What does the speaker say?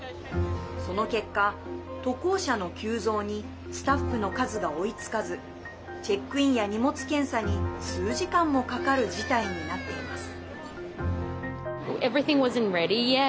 その結果、渡航者の急増にスタッフの数が追いつかずチェックインや荷物検査に数時間もかかる事態になっています。